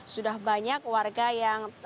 sudah banyak warga yang